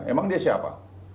emang dia siapa